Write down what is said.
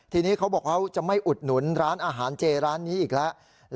ทีนี้เขาบอกเขาจะไม่อุดหนุนร้านอาหารเจร้านนี้อีกแล้ว